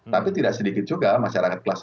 tapi tidak sedikit juga masyarakat kelas tiga